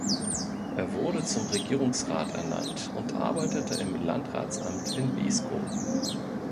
Er wurde zum Regierungsrat ernannt und arbeitete im Landratsamt in Beeskow.